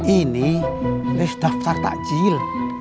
ini list daftar takjil